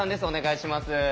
お願いします。